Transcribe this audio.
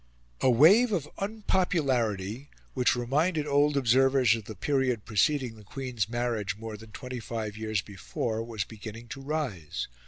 A wave of unpopularity, which reminded old observers of the period preceding the Queen's marriage more than twenty five years before, was beginning to rise.